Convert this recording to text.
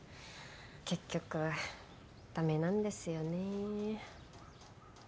結局駄目なんですよねえ。